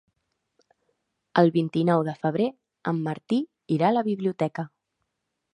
El vint-i-nou de febrer en Martí irà a la biblioteca.